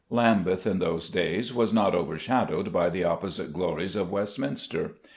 Lambeth in those days was not overshadowed by the opposite glories of Westminster.